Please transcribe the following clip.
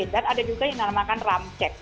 dan ada juga yang dinamakan rem cek